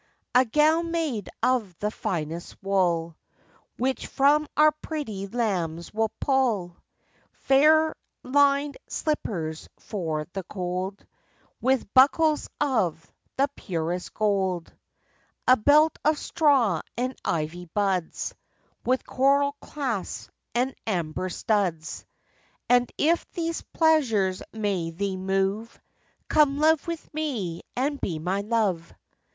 A gown made of the finest wool, Which from our pretty lambs we'll pull; Fair lined slippers for the cold, With buckles of the purest gold. A belt of straw and ivy buds, With coral clasps and amber studs: And if these pleasures may thee move, Come live with me and be my love.